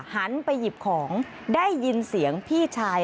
หันไปหยิบของได้ยินเสียงพี่ชาย